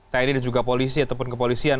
tni dan juga polisi ataupun kepolisian